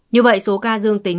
như vậy số ca dương tính